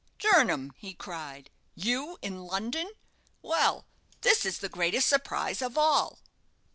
"Jernam!" he cried; "you in London? Well, this is the greatest surprise of all."